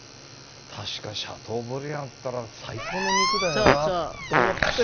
確かシャトーブリアンっていったら最高の肉だよなと思って。